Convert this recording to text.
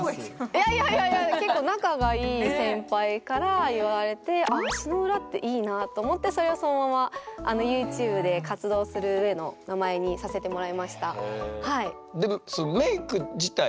いやいやいやいや結構仲がいい先輩から言われてと思ってそれをそのままユーチューブで活動するうえの名前にさせてもらいました。